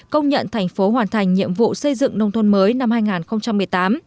công nhận thành phố hoàn thành nhiệm vụ xây dựng nông thôn mới năm hai nghìn một mươi tám